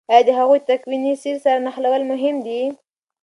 آیا د هغوی تکويني سير سره نښلول مهم دي؟